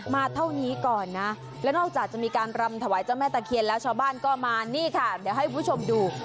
เท่านี้ก่อนนะและนอกจากจะมีการรำถวายเจ้าแม่ตะเคียนแล้วชาวบ้านก็มานี่ค่ะเดี๋ยวให้คุณผู้ชมดู